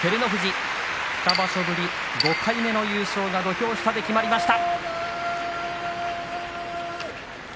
２場所ぶり、５回目の優勝土俵下できまりました。